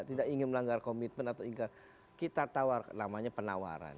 tidak ingin melanggar komitmen atau ingin kita tawarkan namanya penawaran